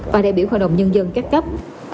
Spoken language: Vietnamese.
và đại biểu hội đồng nhân dân các cấp